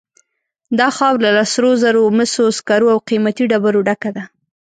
دا خاوره له سرو زرو، مسو، سکرو او قیمتي ډبرو ډکه ده.